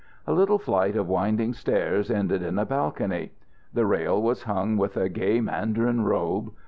A little flight of winding stairs ended in a balcony. The rail was hung with a gay mandarin robe.